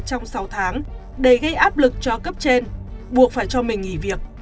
trong sáu tháng để gây áp lực cho cấp trên buộc phải cho mình nghỉ việc